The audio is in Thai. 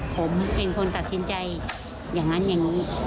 ผมเป็นคนตัดสินใจอย่างนั้นอย่างนี้